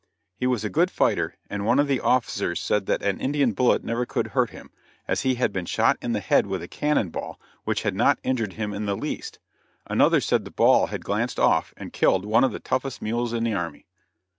He was a good fighter, and one of the officers said that an Indian bullet never could hurt him, as he had been shot in the head with a cannon ball which had not injured him in the least; another said the ball glanced off and killed one of the toughest mules in the army.